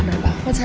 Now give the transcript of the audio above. apa yang terjadi